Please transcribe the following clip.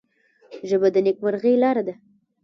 ژبه د نیکمرغۍ لاره ده